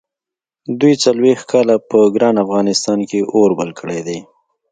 دوی څلوېښت کاله په ګران افغانستان کې اور بل کړی دی.